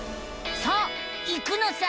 さあ行くのさ！